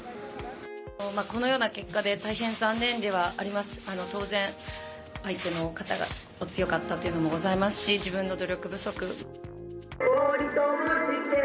このような結果で大変残念ではあります、当然相手の方がお強かったというのもございますし自分の努力不足。